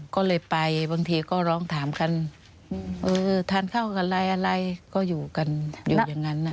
ก็เลยไปบางทีก็ร้องถามกันเออทานข้าวกันอะไรก็อยู่กันอยู่อย่างนั้นนะ